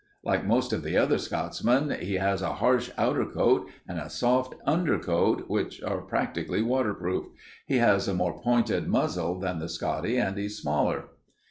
Like most of the other Scotchmen he has a harsh outer coat and a soft under coat, which are practically waterproof. He has a more pointed muzzle than the Scottie and he's smaller."